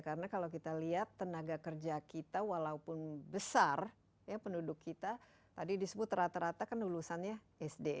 karena kalau kita lihat tenaga kerja kita walaupun besar ya penduduk kita tadi disebut rata rata kan lulusannya sd